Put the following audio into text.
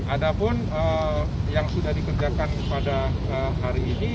ada pun yang sudah dikerjakan pada hari ini